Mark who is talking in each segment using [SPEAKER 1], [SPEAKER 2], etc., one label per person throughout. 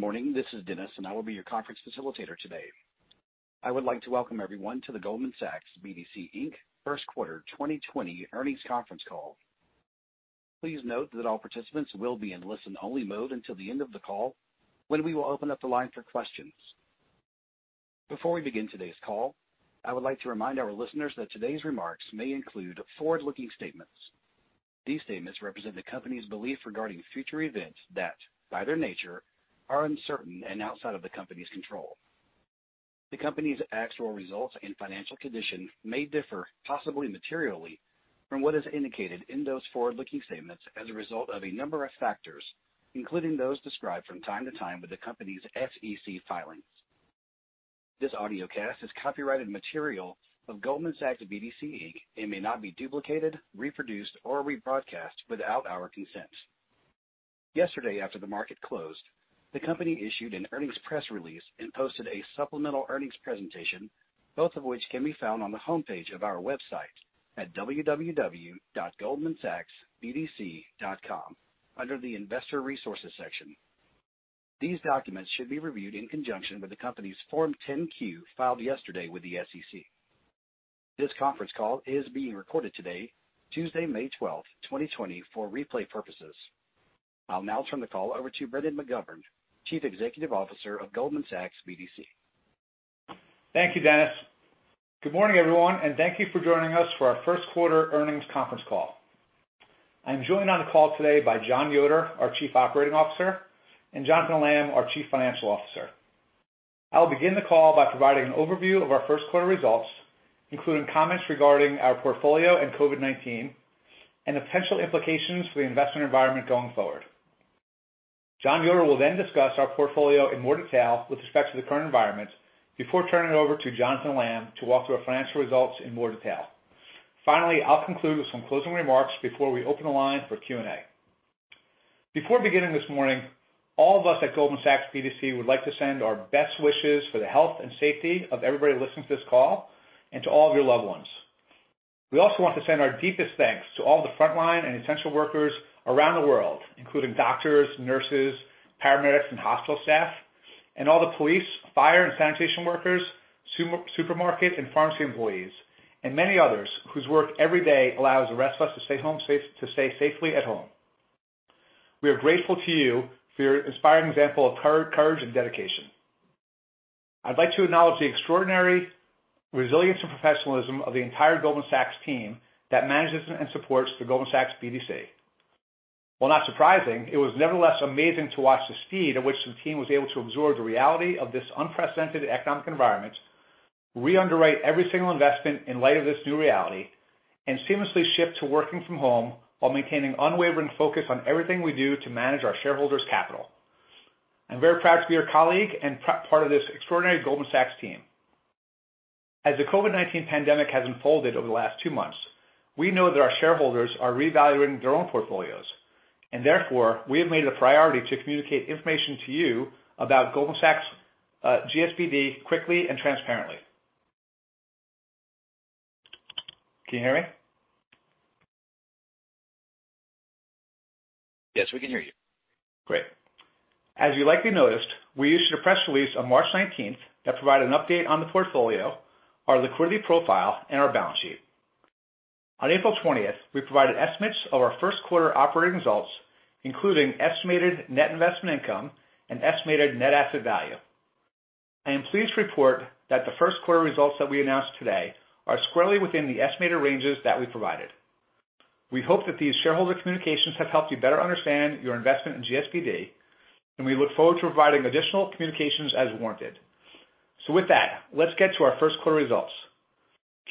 [SPEAKER 1] Good morning, this is Dennis, and I will be your conference facilitator today. I would like to welcome everyone to the Goldman Sachs BDC, Inc First Quarter 2020 earnings conference call. Please note that all participants will be in listen-only mode until the end of the call, when we will open up the line for questions. Before we begin today's call, I would like to remind our listeners that today's remarks may include forward-looking statements. These statements represent the company's belief regarding future events that, by their nature, are uncertain and outside of the company's control. The company's actual results and financial condition may differ, possibly materially, from what is indicated in those forward-looking statements as a result of a number of factors, including those described from time to time with the company's SEC filings. This audio cast is copyrighted material of Goldman Sachs BDC, Inc. and may not be duplicated, reproduced, or rebroadcast without our consent. Yesterday, after the market closed, the company issued an earnings press release and posted a supplemental earnings presentation, both of which can be found on the homepage of our website at www.goldmansachsbdc.com under the Investor Resources section. These documents should be reviewed in conjunction with the company's Form 10Q filed yesterday with the SEC. This conference call is being recorded today, Tuesday, May 12th, 2020, for replay purposes. I'll now turn the call over to Brendan McGovern, Chief Executive Officer of Goldman Sachs BDC.
[SPEAKER 2] Thank you, Dennis. Good morning, everyone, and thank you for joining us for our First Quarter earnings conference call. I'm joined on the call today by John Yoder, our Chief Operating Officer, and Jonathan Lamm, our Chief Financial Officer. I'll begin the call by providing an overview of our First Quarter results, including comments regarding our portfolio and COVID-19, and the potential implications for the investment environment going forward. John Yoder will then discuss our portfolio in more detail with respect to the current environment before turning it over to Jonathan Lamm to walk through our financial results in more detail. Finally, I'll conclude with some closing remarks before we open the line for Q&A. Before beginning this morning, all of us at Goldman Sachs BDC would like to send our best wishes for the health and safety of everybody listening to this call and to all of your loved ones. We also want to send our deepest thanks to all of the frontline and essential workers around the world, including doctors, nurses, paramedics, and hospital staff, and all the police, fire, and sanitation workers, supermarket and pharmacy employees, and many others whose work every day allows the rest of us to stay safely at home. We are grateful to you for your inspiring example of courage and dedication. I'd like to acknowledge the extraordinary resilience and professionalism of the entire Goldman Sachs team that manages and supports the Goldman Sachs BDC. While not surprising, it was nevertheless amazing to watch the speed at which the team was able to absorb the reality of this unprecedented economic environment, re-underwrite every single investment in light of this new reality, and seamlessly shift to working from home while maintaining unwavering focus on everything we do to manage our shareholders' capital. I'm very proud to be your colleague and part of this extraordinary Goldman Sachs team. As the COVID-19 pandemic has unfolded over the last two months, we know that our shareholders are re-evaluating their own portfolios, and therefore, we have made it a priority to communicate information to you about Goldman Sachs GSBD quickly and transparently. Can you hear me?
[SPEAKER 1] Yes, we can hear you.
[SPEAKER 2] Great. As you likely noticed, we issued a press release on March 19th that provided an update on the portfolio, our liquidity profile, and our balance sheet. On April 20th, we provided estimates of our first quarter operating results, including estimated net investment income and estimated net asset value. I am pleased to report that the first quarter results that we announced today are squarely within the estimated ranges that we provided. We hope that these shareholder communications have helped you better understand your investment in GSBD, and we look forward to providing additional communications as warranted. With that, let's get to our first quarter results.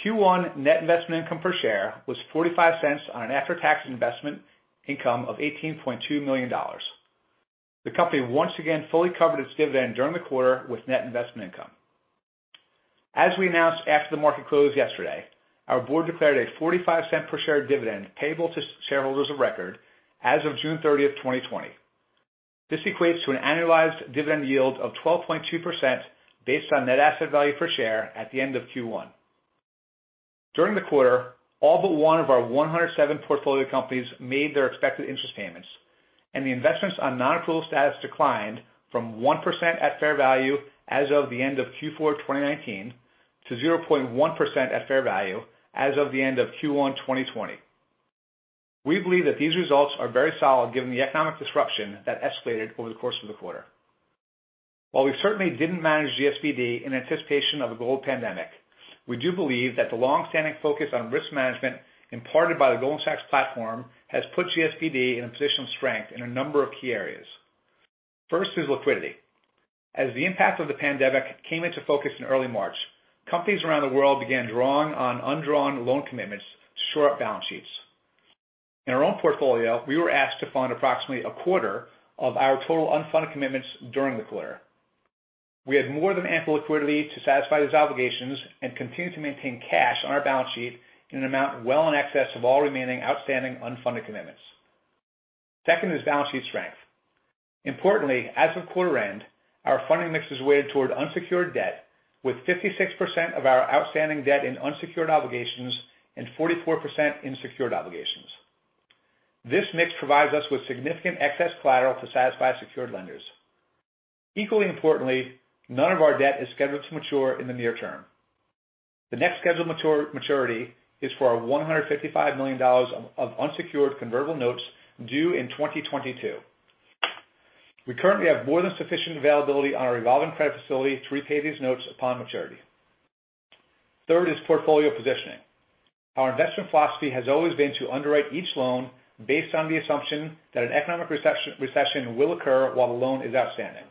[SPEAKER 2] Q1 net investment income per share was $0.45 on an after-tax investment income of $18.2 million. The company once again fully covered its dividend during the quarter with net investment income. As we announced after the market closed yesterday, our board declared a $0.45 per share dividend payable to shareholders of record as of June 30, 2020. This equates to an annualized dividend yield of 12.2% based on net asset value per share at the end of Q1. During the quarter, all but one of our 107 portfolio companies made their expected interest payments, and the investments on non-approval status declined from 1% at fair value as of the end of Q4 2019 to 0.1% at fair value as of the end of Q1 2020. We believe that these results are very solid given the economic disruption that escalated over the course of the quarter. While we certainly didn't manage GSBD in anticipation of a global pandemic, we do believe that the longstanding focus on risk management imparted by the Goldman Sachs platform has put GSBD in a position of strength in a number of key areas. First is liquidity. As the impact of the pandemic came into focus in early March, companies around the world began drawing on undrawn loan commitments to shore up balance sheets. In our own portfolio, we were asked to fund approximately a quarter of our total unfunded commitments during the quarter. We had more than ample liquidity to satisfy these obligations and continued to maintain cash on our balance sheet in an amount well in excess of all remaining outstanding unfunded commitments. Second is balance sheet strength. Importantly, as of quarter end, our funding mix is weighted toward unsecured debt, with 56% of our outstanding debt in unsecured obligations and 44% in secured obligations. This mix provides us with significant excess collateral to satisfy secured lenders. Equally importantly, none of our debt is scheduled to mature in the near term. The next scheduled maturity is for our $155 million of unsecured convertible notes due in 2022. We currently have more than sufficient availability on our revolving credit facility to repay these notes upon maturity. Third is portfolio positioning. Our investment philosophy has always been to underwrite each loan based on the assumption that an economic recession will occur while the loan is outstanding.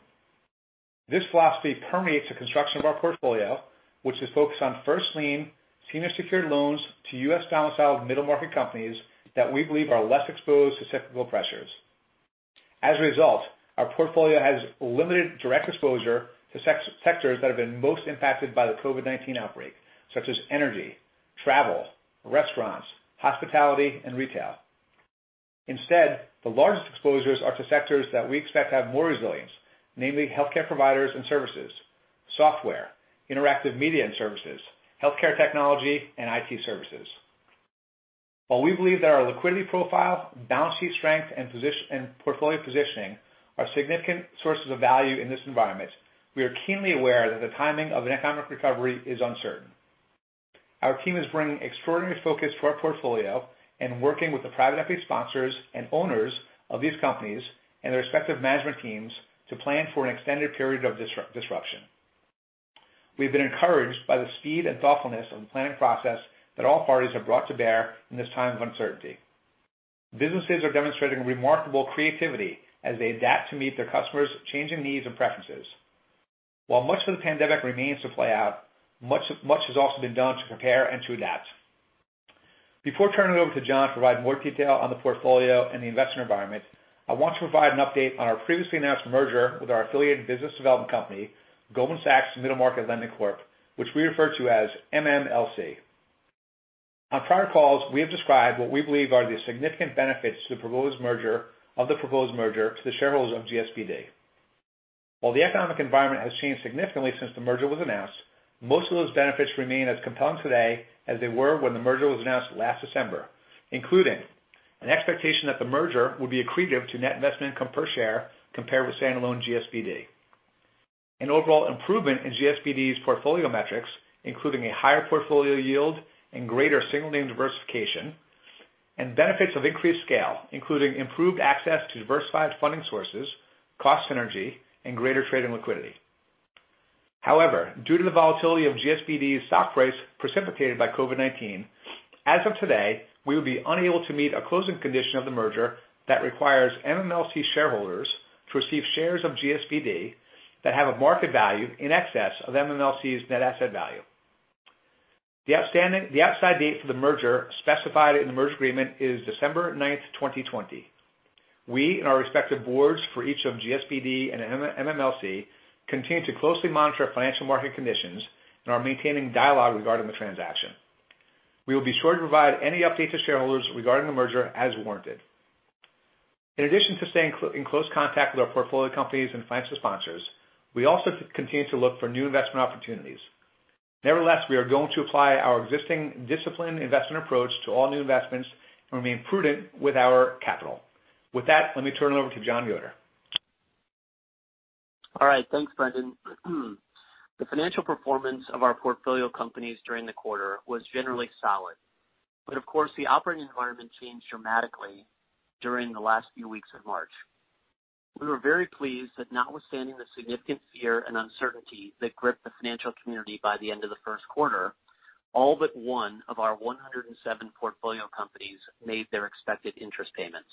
[SPEAKER 2] This philosophy permeates the construction of our portfolio, which is focused on first lien, senior secured loans to U.S. domiciled middle market companies that we believe are less exposed to cyclical pressures. As a result, our portfolio has limited direct exposure to sectors that have been most impacted by the COVID-19 outbreak, such as energy, travel, restaurants, hospitality, and retail. Instead, the largest exposures are to sectors that we expect to have more resilience, namely healthcare providers and services, software, interactive media and services, healthcare technology, and IT services. While we believe that our liquidity profile, balance sheet strength, and portfolio positioning are significant sources of value in this environment, we are keenly aware that the timing of an economic recovery is uncertain. Our team is bringing extraordinary focus to our portfolio and working with the private equity sponsors and owners of these companies and their respective management teams to plan for an extended period of disruption. We've been encouraged by the speed and thoughtfulness of the planning process that all parties have brought to bear in this time of uncertainty. Businesses are demonstrating remarkable creativity as they adapt to meet their customers' changing needs and preferences. While much of the pandemic remains to play out, much has also been done to prepare and to adapt. Before turning it over to John to provide more detail on the portfolio and the investment environment, I want to provide an update on our previously announced merger with our affiliated business development company, Goldman Sachs Middle Market Lending Corp, which we refer to as MMLC. On prior calls, we have described what we believe are the significant benefits to the proposed merger of the shareholders of GSBD. While the economic environment has changed significantly since the merger was announced, most of those benefits remain as compelling today as they were when the merger was announced last December, including an expectation that the merger would be accretive to net investment income per share compared with standalone GSBD, an overall improvement in GSBD's portfolio metrics, including a higher portfolio yield and greater single name diversification, and benefits of increased scale, including improved access to diversified funding sources, cost synergy, and greater trading liquidity. However, due to the volatility of GSBD's stock price precipitated by COVID-19, as of today, we would be unable to meet a closing condition of the merger that requires MMLC shareholders to receive shares of GSBD that have a market value in excess of MMLC's net asset value. The outside date for the merger specified in the merger agreement is December 9th, 2020. We and our respective boards for each of GSBD and MMLC continue to closely monitor financial market conditions and are maintaining dialogue regarding the transaction. We will be sure to provide any updates to shareholders regarding the merger as warranted. In addition to staying in close contact with our portfolio companies and financial sponsors, we also continue to look for new investment opportunities. Nevertheless, we are going to apply our existing disciplined investment approach to all new investments and remain prudent with our capital. With that, let me turn it over to John Yoder.
[SPEAKER 3] All right. Thanks, Brendan. The financial performance of our portfolio companies during the quarter was generally solid. Of course, the operating environment changed dramatically during the last few weeks of March. We were very pleased that notwithstanding the significant fear and uncertainty that gripped the financial community by the end of the first quarter, all but one of our 107 portfolio companies made their expected interest payments.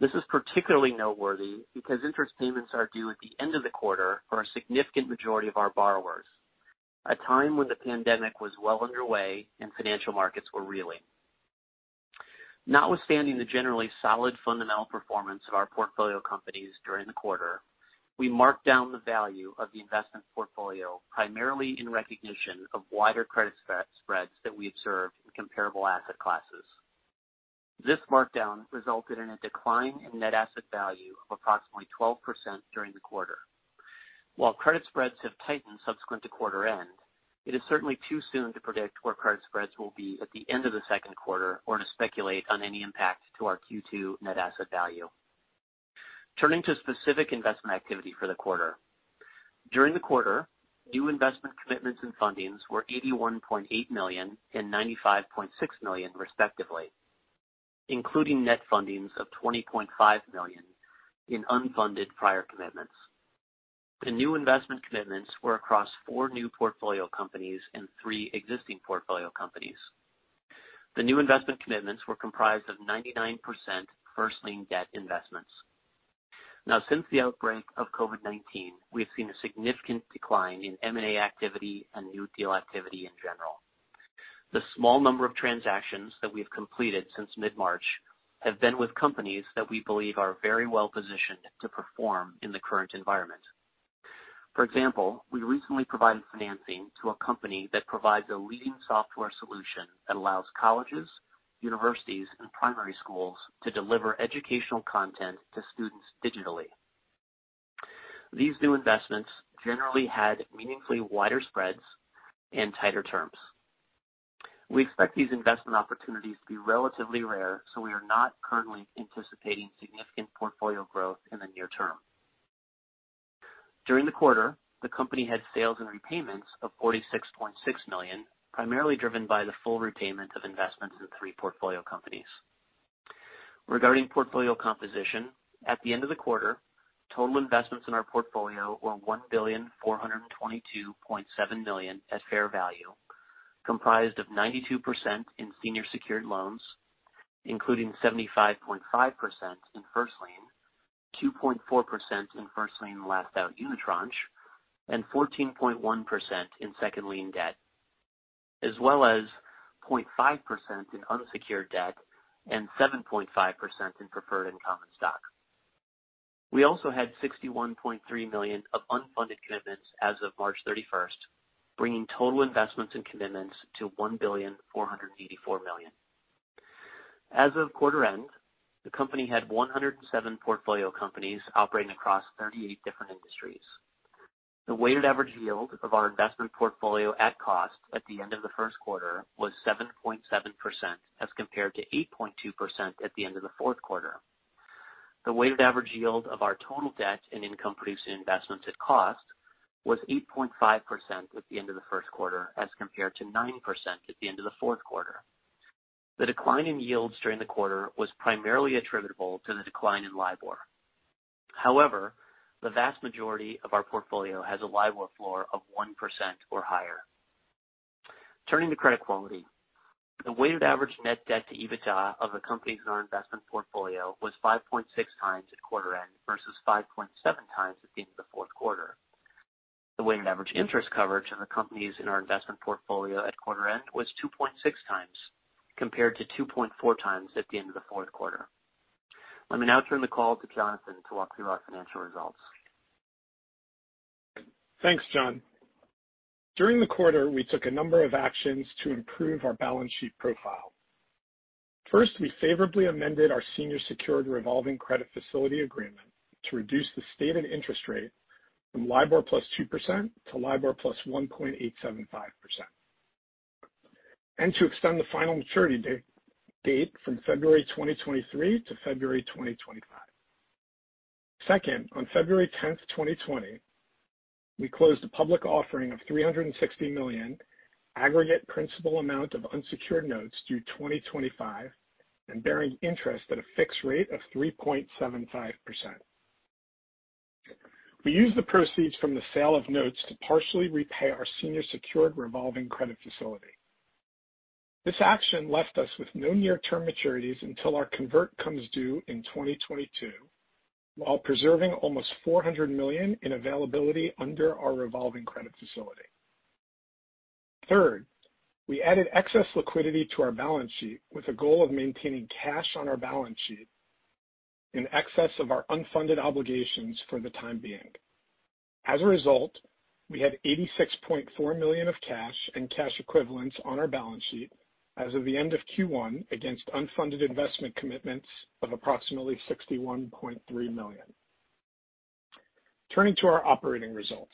[SPEAKER 3] This is particularly noteworthy because interest payments are due at the end of the quarter for a significant majority of our borrowers, a time when the pandemic was well underway and financial markets were reeling. Notwithstanding the generally solid fundamental performance of our portfolio companies during the quarter, we marked down the value of the investment portfolio primarily in recognition of wider credit spreads that we observed in comparable asset classes. This markdown resulted in a decline in net asset value of approximately 12% during the quarter. While credit spreads have tightened subsequent to quarter end, it is certainly too soon to predict where credit spreads will be at the end of the second quarter or to speculate on any impact to our Q2 net asset value. Turning to specific investment activity for the quarter, during the quarter, new investment commitments and fundings were $81.8 million and $95.6 million, respectively, including net fundings of $20.5 million in unfunded prior commitments. The new investment commitments were across four new portfolio companies and three existing portfolio companies. The new investment commitments were comprised of 99% first lien debt investments. Now, since the outbreak of COVID-19, we have seen a significant decline in M&A activity and new deal activity in general. The small number of transactions that we have completed since mid-March have been with companies that we believe are very well positioned to perform in the current environment. For example, we recently provided financing to a company that provides a leading software solution that allows colleges, universities, and primary schools to deliver educational content to students digitally. These new investments generally had meaningfully wider spreads and tighter terms. We expect these investment opportunities to be relatively rare, so we are not currently anticipating significant portfolio growth in the near term. During the quarter, the company had sales and repayments of $46.6 million, primarily driven by the full repayment of investments in three portfolio companies. Regarding portfolio composition, at the end of the quarter, total investments in our portfolio were $1,422.7 million at fair value, comprised of 92% in senior secured loans, including 75.5% in first lien, 2.4% in first lien last out unit tranche, and 14.1% in second lien debt, as well as 0.5% in unsecured debt and 7.5% in preferred income and stock. We also had $61.3 million of unfunded commitments as of March 31st, bringing total investments and commitments to $1,484 million. As of quarter end, the company had 107 portfolio companies operating across 38 different industries. The weighted average yield of our investment portfolio at cost at the end of the first quarter was 7.7% as compared to 8.2% at the end of the fourth quarter. The weighted average yield of our total debt and income producing investments at cost was 8.5% at the end of the first quarter as compared to 9% at the end of the fourth quarter. The decline in yields during the quarter was primarily attributable to the decline in LIBOR. However, the vast majority of our portfolio has a LIBOR floor of 1% or higher. Turning to credit quality, the weighted average net debt to EBITDA of the companies in our investment portfolio was 5.6x at quarter end versus 5.7x at the end of the fourth quarter. The weighted average interest coverage of the companies in our investment portfolio at quarter end was 2.6x compared to 2.4x at the end of the fourth quarter. Let me now turn the call to Jonathan to walk through our financial results.
[SPEAKER 4] Thanks, John. During the quarter, we took a number of actions to improve our balance sheet profile. First, we favorably amended our senior secured revolving credit facility agreement to reduce the stated interest rate from LIBOR +2% to LIBOR +1.875%, and to extend the final maturity date from February 2023 to February 2025. Second, on February 10th, 2020, we closed a public offering of $360 million aggregate principal amount of unsecured notes due 2025 and bearing interest at a fixed rate of 3.75%. We used the proceeds from the sale of notes to partially repay our senior secured revolving credit facility. This action left us with no near-term maturities until our convert comes due in 2022, while preserving almost $400 million in availability under our revolving credit facility. Third, we added excess liquidity to our balance sheet with a goal of maintaining cash on our balance sheet in excess of our unfunded obligations for the time being. As a result, we had $86.4 million of cash and cash equivalents on our balance sheet as of the end of Q1 against unfunded investment commitments of approximately $61.3 million. Turning to our operating results,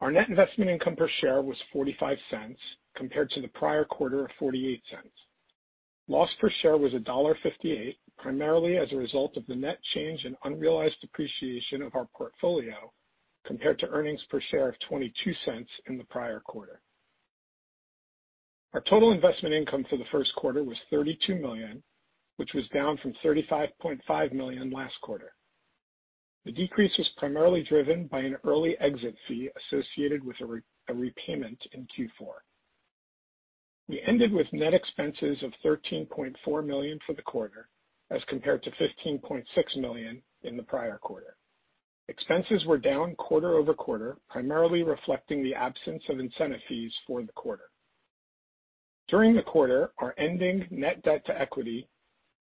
[SPEAKER 4] our net investment income per share was $0.45 compared to the prior quarter of $0.48. Loss per share was $1.58, primarily as a result of the net change in unrealized depreciation of our portfolio compared to earnings per share of $0.22 in the prior quarter. Our total investment income for the first quarter was $32 million, which was down from $35.5 million last quarter. The decrease was primarily driven by an early exit fee associated with a repayment in Q4. We ended with net expenses of $13.4 million for the quarter as compared to $15.6 million in the prior quarter. Expenses were down quarter over quarter, primarily reflecting the absence of incentive fees for the quarter. During the quarter, our ending net debt to equity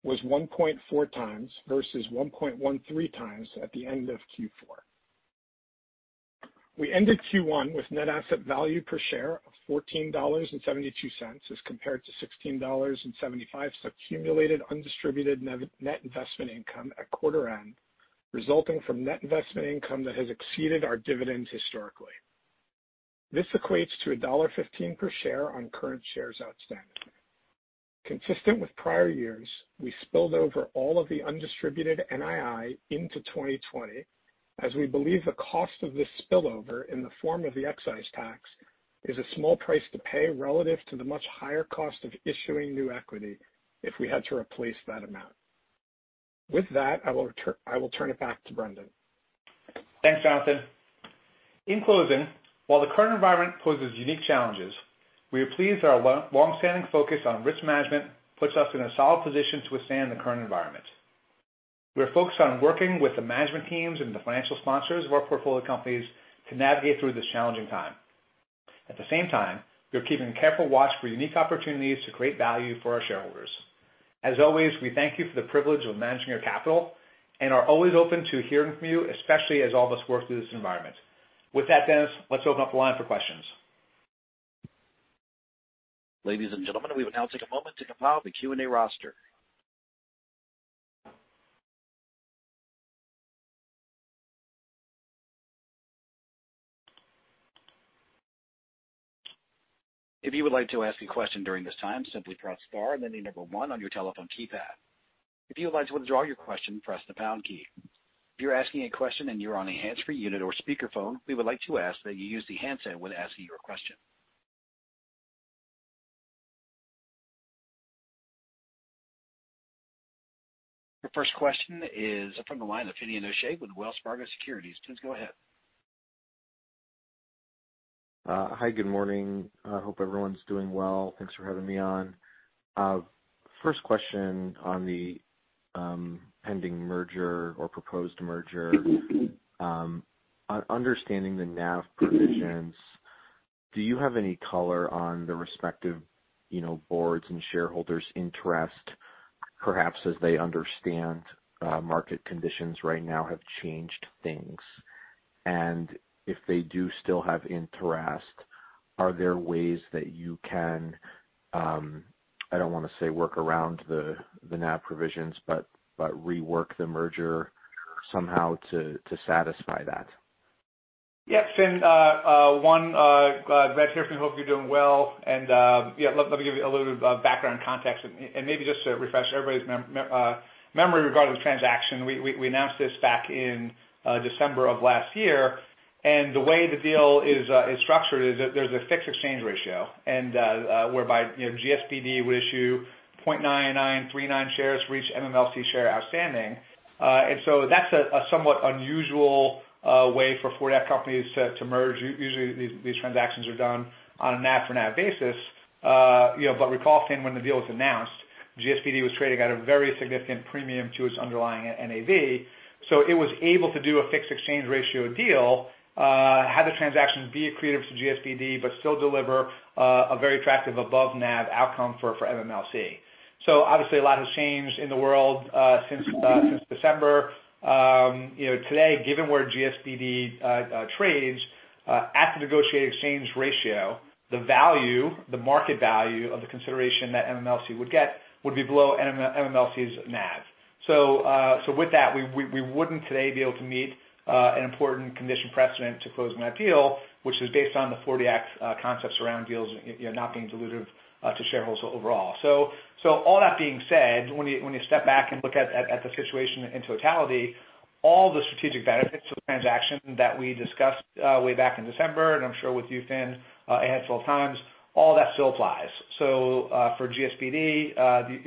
[SPEAKER 4] was 1.4x versus 1.13x at the end of Q4. We ended Q1 with net asset value per share of $14.72 as compared to $16.75 of cumulated undistributed net investment income at quarter end, resulting from net investment income that has exceeded our dividends historically. This equates to $1.15 per share on current shares outstanding. Consistent with prior years, we spilled over all of the undistributed NII into 2020, as we believe the cost of this spillover in the form of the excise tax is a small price to pay relative to the much higher cost of issuing new equity if we had to replace that amount. With that, I will turn it back to Brendan.
[SPEAKER 2] Thanks, Jonathan. In closing, while the current environment poses unique challenges, we are pleased that our longstanding focus on risk management puts us in a solid position to withstand the current environment. We are focused on working with the management teams and the financial sponsors of our portfolio companies to navigate through this challenging time. At the same time, we are keeping a careful watch for unique opportunities to create value for our shareholders. As always, we thank you for the privilege of managing your capital and are always open to hearing from you, especially as all of us work through this environment. With that, Dennis, let's open up the line for questions.
[SPEAKER 1] Ladies and gentlemen, we will now take a moment to compile the Q&A roster. If you would like to ask a question during this time, simply press star and then the number one on your telephone keypad. If you would like to withdraw your question, press the pound key. If you're asking a question and you're on a hands-free unit or speakerphone, we would like to ask that you use the handset when asking your question. Our first question is from the line of Finian O'Shea with Wells Fargo Securities. Please go ahead.
[SPEAKER 5] Hi, good morning. I hope everyone's doing well. Thanks for having me on. First question on the pending merger or proposed merger. Understanding the NAV provisions, do you have any color on the respective boards and shareholders' interest, perhaps as they understand market conditions right now have changed things? If they do still have interest, are there ways that you can, I don't want to say work around the NAV provisions, but rework the merger somehow to satisfy that?
[SPEAKER 2] Yes, and one great here from hoping you're doing well. Yeah, let me give you a little bit of background context and maybe just to refresh everybody's memory regarding the transaction. We announced this back in December of last year. The way the deal is structured is that there's a fixed exchange ratio whereby GSBD would issue 0.9939 shares for each MMLC share outstanding. That's a somewhat unusual way for [for that] companies to merge. Usually, these transactions are done on a NAV for NAV basis. Recall, when the deal was announced, GSBD was trading at a very significant premium to its underlying NAV. It was able to do a fixed exchange ratio deal, have the transaction be accretive to GSBD, but still deliver a very attractive above-NAV outcome for MMLC. Obviously, a lot has changed in the world since December. Today, given where GSBD trades, at the negotiated exchange ratio, the value, the market value of the consideration that MMLC would get would be below MMLC's NAV. With that, we would not today be able to meet an important condition precedent to closing that deal, which is based on the 40X concepts around deals not being dilutive to shareholders overall. All that being said, when you step back and look at the situation in totality, all the strategic benefits of the transaction that we discussed way back in December, and I am sure with you, Finn, ahead of all times, all that still applies. For GSBD,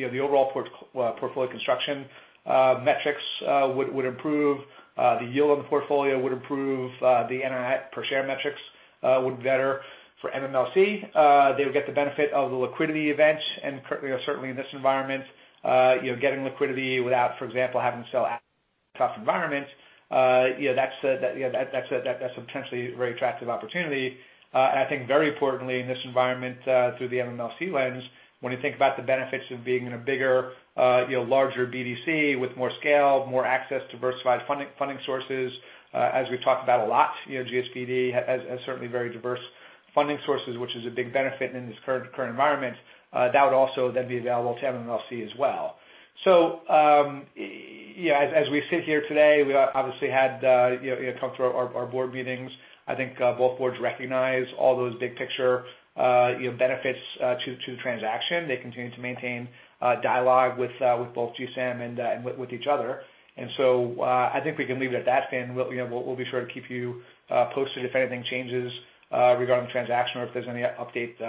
[SPEAKER 2] the overall portfolio construction metrics would improve. The yield on the portfolio would improve. The NAV per share metrics would be better. For MMLC, they would get the benefit of the liquidity event. Certainly, in this environment, getting liquidity without, for example, having to sell out tough environments, that's a potentially very attractive opportunity. I think, very importantly, in this environment, through the MMLC lens, when you think about the benefits of being in a bigger, larger BDC with more scale, more access to diversified funding sources, as we've talked about a lot, GSBD has certainly very diverse funding sources, which is a big benefit in this current environment. That would also then be available to MMLC as well. As we sit here today, we obviously had come through our board meetings. I think both boards recognize all those big picture benefits to the transaction. They continue to maintain dialogue with both GSAM and with each other. I think we can leave it at that, Finn. We'll be sure to keep you posted if anything changes regarding the transaction or if there's any update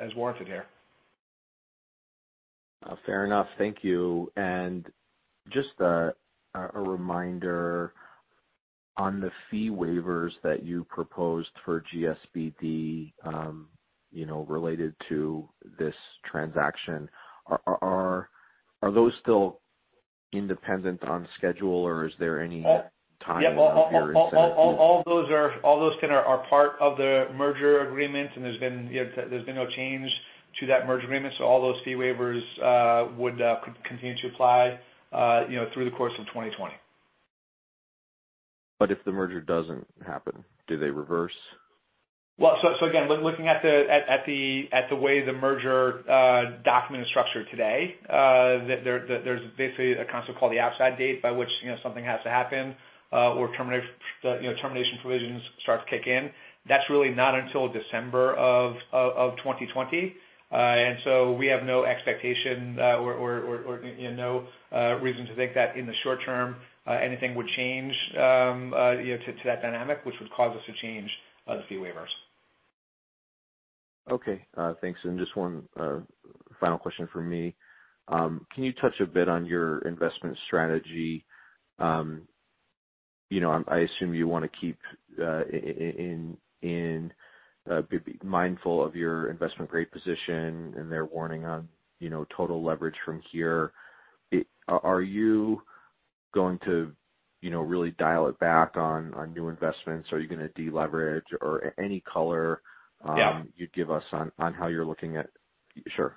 [SPEAKER 2] as warranted here.
[SPEAKER 5] Fair enough. Thank you. Just a reminder on the fee waivers that you proposed for GSBD related to this transaction. Are those still independent on schedule, or is there any time or year incentive?
[SPEAKER 2] Yeah, all those are part of the merger agreement, and there's been no change to that merger agreement. All those fee waivers would continue to apply through the course of 2020.
[SPEAKER 5] If the merger doesn't happen, do they reverse?
[SPEAKER 2] Again, looking at the way the merger document is structured today, there's basically a concept called the outside date by which something has to happen or termination provisions start to kick in. That's really not until December of 2020. We have no expectation or no reason to think that in the short term, anything would change to that dynamic, which would cause us to change the fee waivers.
[SPEAKER 5] Okay. Thanks. Just one final question for me. Can you touch a bit on your investment strategy? I assume you want to keep mindful of your investment grade position and their warning on total leverage from here. Are you going to really dial it back on new investments? Are you going to deleverage or any color you'd give us on how you're looking at? Sure.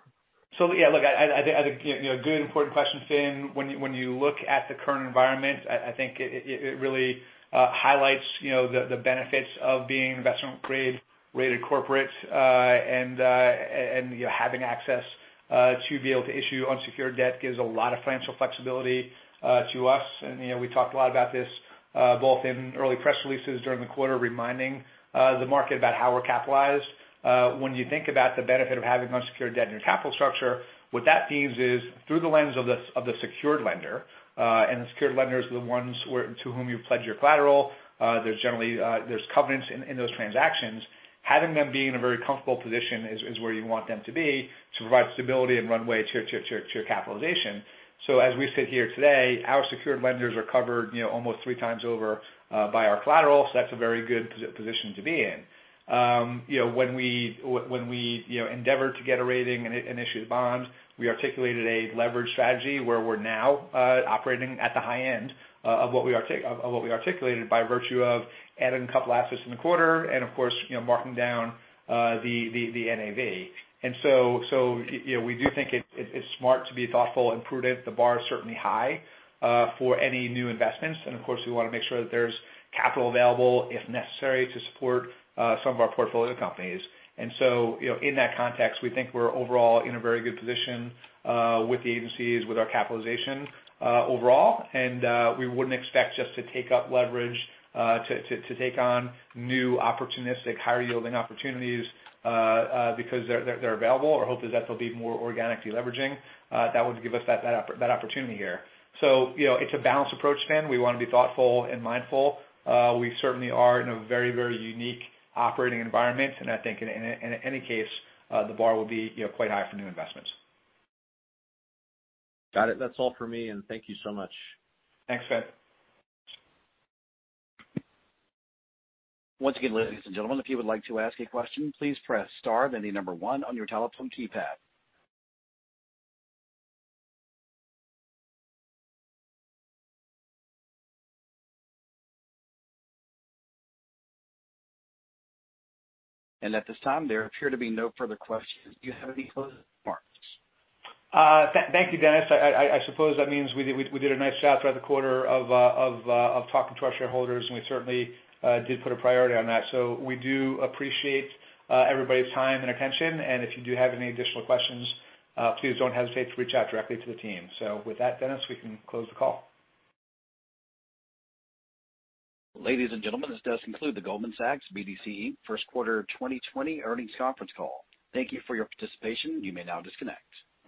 [SPEAKER 2] Yeah, look, I think a good, important question, Finn. When you look at the current environment, I think it really highlights the benefits of being investment-grade rated corporates. Having access to be able to issue unsecured debt gives a lot of financial flexibility to us. We talked a lot about this both in early press releases during the quarter, reminding the market about how we're capitalized. When you think about the benefit of having unsecured debt in your capital structure, what that means is through the lens of the secured lender. The secured lenders are the ones to whom you've pledged your collateral. There are covenants in those transactions. Having them be in a very comfortable position is where you want them to be to provide stability and runway to your capitalization. As we sit here today, our secured lenders are covered almost 3x over by our collateral. That is a very good position to be in. When we endeavor to get a rating and issue the bond, we articulated a leverage strategy where we are now operating at the high end of what we articulated by virtue of adding a couple of assets in the quarter and, of course, marking down the NAV. We do think it is smart to be thoughtful and prudent. The bar is certainly high for any new investments. Of course, we want to make sure that there is capital available if necessary to support some of our portfolio companies. In that context, we think we are overall in a very good position with the agencies, with our capitalization overall. We would not expect just to take up leverage to take on new opportunistic, higher-yielding opportunities because they are available. Our hope is that there will be more organic deleveraging. That would give us that opportunity here. It is a balanced approach, Finn. We want to be thoughtful and mindful. We certainly are in a very, very unique operating environment. I think, in any case, the bar will be quite high for new investments.
[SPEAKER 5] Got it. That's all for me. Thank you so much.
[SPEAKER 2] Thanks, Finn.
[SPEAKER 1] Once again, ladies and gentlemen, if you would like to ask a question, please press star then the number one on your telephone keypad. At this time, there appear to be no further questions. Do you have any closing remarks?
[SPEAKER 2] Thank you, Dennis. I suppose that means we did a nice job throughout the quarter of talking to our shareholders. We certainly did put a priority on that. We do appreciate everybody's time and attention. If you do have any additional questions, please do not hesitate to reach out directly to the team. With that, Dennis, we can close the call.
[SPEAKER 1] Ladies and gentlemen, this does conclude the Goldman Sachs BDC first quarter 2020 earnings conference call. Thank you for your participation. You may now disconnect.